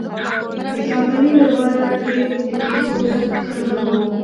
د کمپنۍ لپاره ډېر د پېښو ډک کلونه وو.